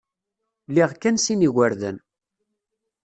Liɣ kan sin n yigerdan.